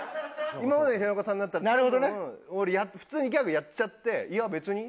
今までの平子さんだったら多分普通にギャグやっちゃっていや別に？